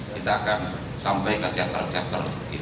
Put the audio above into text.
kita akan sampai ke chapter chapter